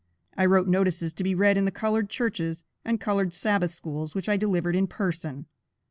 I wrote notices to be read in the colored churches and colored Sabbath schools, which I delivered in person.